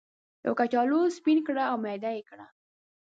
یو کچالو سپین کړئ او میده یې کړئ.